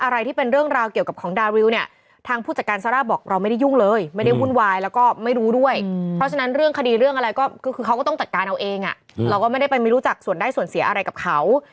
เราก็ไม่ได้ไปมีรู้จักส่วนได้ส่วนเสียอะไรกับเขา